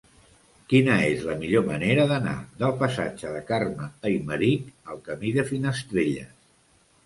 Quina és la millor manera d'anar del passatge de Carme Aymerich al camí de Finestrelles?